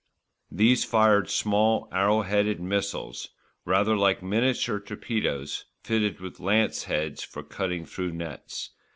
These fired small arrow headed missiles, rather like miniature torpedoes fitted with lance heads for cutting through nets.